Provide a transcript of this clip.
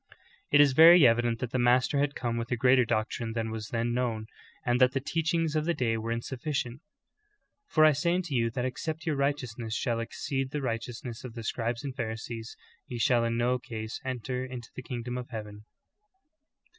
"^ 10. It is very evident that the Master had come with a greater doctrine than was then known, and that the teach ings of the day were insufficient : 'Tor I say unto you that except your righteousness shall exceed the righteousness of the scribes and Pharisees, ye shall in no case enter into the kingdom of heaven."